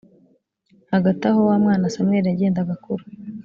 hagati aho wa mwana samweli yagendaga akura